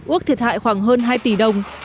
ước thiệt hại khoảng hơn hai tỷ đồng